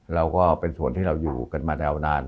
เราก็เป็นส่วนที่เราอยู่กันมายาวนาน